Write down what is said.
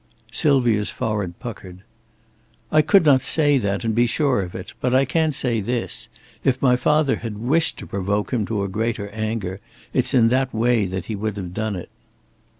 Sylvia's forehead puckered. "I could not say that, and be sure of it. But I can say this. If my father had wished to provoke him to a greater anger, it's in that way that he would have done it."